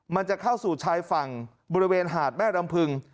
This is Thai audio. มันจะเข้าสู่ชายฝั่งบริเวณหาดแม่ลำพึง